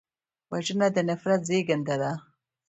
وژنه د نفرت زېږنده ده